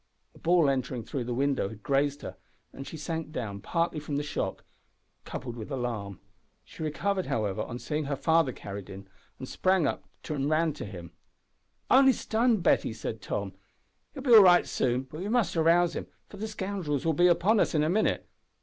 A ball entering through the window had grazed her, and she sank down, partly from the shock, coupled with alarm. She recovered, however, on seeing her father carried in, sprang up, and ran to him. "Only stunned, Betty," said Tom; "will be all right soon, but we must rouse him, for the scoundrels will be upon us in a minute.